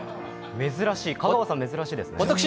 香川さん、珍しいですね。